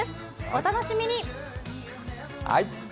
お楽しみに。